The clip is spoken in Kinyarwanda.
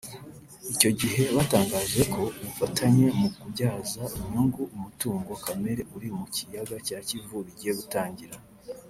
Icyo gihe batangaje ko ubufatanye mu kubyaza inyungu umutungo kamere uri mu kiyaga cya Kivu bigiye gutangira